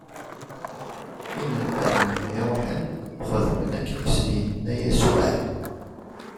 Inelmaden-nni ṛuḥen, xedmen akken i sen-inna Yasuɛ.